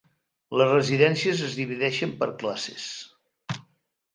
Les residències es divideixen per classes.